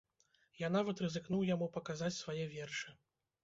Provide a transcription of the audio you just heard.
Я нават рызыкнуў яму паказаць свае вершы.